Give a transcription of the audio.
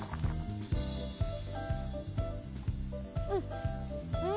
うん！